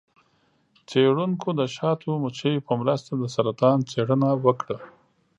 څیړونکو د شاتو مچیو په مرسته د سرطان څیړنه وکړه.